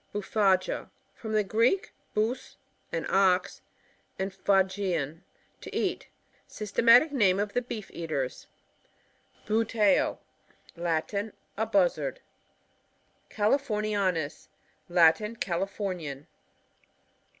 Bothaoa. — From the Greek, 6ott«, an Oi, and phagein^ to eat. Sys tematic name of the beef eaters. BuTEO. — Latin. A Buzzard. Californianus. — Latin. Califbrnian.